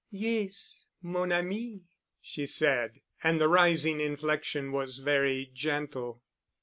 "Yes, mon ami," she said, and the rising inflection was very gentle.